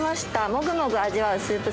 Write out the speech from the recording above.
◆もぐもぐ味わうスープ。